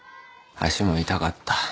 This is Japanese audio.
足も痛かった。